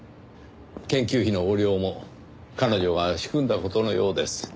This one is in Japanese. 研究費の横領も彼女が仕組んだ事のようです。